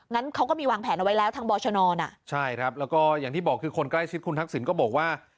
งั้นเขาก็มีวางแผนเอาไว้แล้วทางบอชนอ่ะใช่ครับแล้วก็อย่างที่บอกคือคนใกล้ชิดคุณทักษิณก็บอกว่า